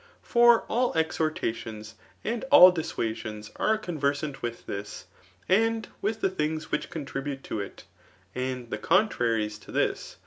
For all exhor« tadb^s and all diaaiasions are conversant wkh tins, and W9th lifie. things which contrU>ute to it^ and t^e contraries to this.